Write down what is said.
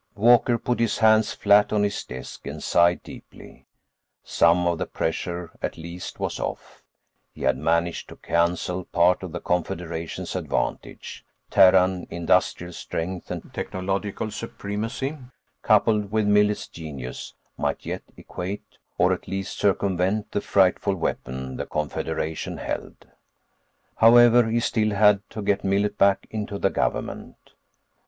———— Walker put his hands flat on his desk and sighed deeply. Some of the pressure, at least, was off; he had managed to cancel part of the Confederation's advantage. Terran industrial strength and technological supremacy, coupled with Millet's genius, might yet equate, or at least circumvent, the frightful weapon the Confederation held. However, he still had to get Millet back into the government.